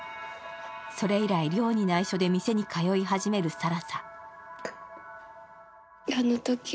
それ以来、亮に内緒で店に通い始める更紗。